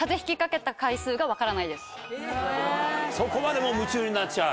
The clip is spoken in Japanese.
そこまで夢中になっちゃう？